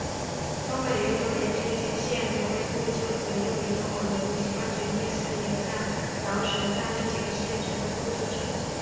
东北民主联军前线指挥部旧址又名中国人民解放军第四野战军辽沈战役前线指挥部旧址。